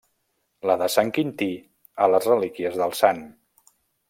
La de Sant Quintí, a les relíquies del sant.